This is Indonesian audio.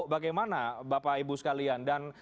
bagaimana bapak ibu sekalian dan